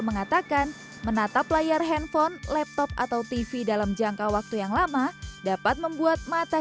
mengatakan menatap layar handphone laptop atau tv dalam jangka waktu yang lama dapat membuat mata